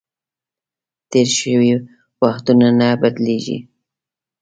تېر شوي وختونه نه بدلیږي .